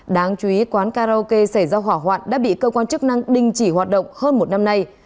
đáng chú ý quán karaoke xảy ra hỏa hoạn đã bị cơ quan chức năng đình chỉ hoạt động hơn một năm nay